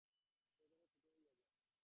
সে যেন ছোট হইয়া যায়।